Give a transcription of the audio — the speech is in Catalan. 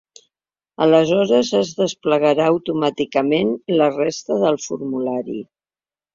Aleshores es desplegarà automàticament la resta del formulari.